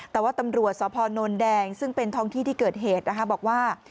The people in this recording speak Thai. แต่ว่าตำรวจสพนแดงซึ่งเป็นท้องที่ที่เกิดเหตุนะคะบอกว่า